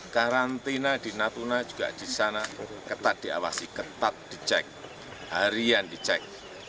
karantina di natuna juga di sana ketat diawasi ketat dicek harian dicek